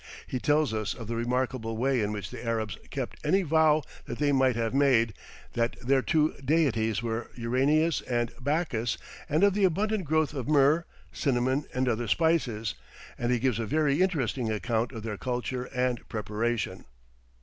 He tells us of the remarkable way in which the Arabs kept any vow that they might have made; that their two deities were Uranius and Bacchus, and of the abundant growth of myrrh, cinnamon and other spices, and he gives a very interesting account of their culture and preparation.